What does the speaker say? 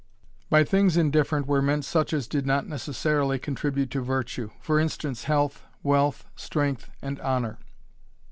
By things indifferent were meant such as did not necessarily contribute to virtue, for instance health, wealth, strength, and honor.